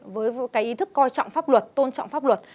với cái ý thức coi trọng pháp luật tôn trọng pháp luật